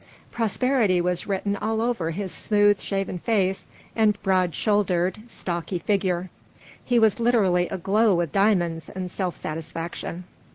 Prosperity was written all over his smooth shaven face and broad shouldered, stocky figure. He was literally aglow with diamonds and self satisfaction.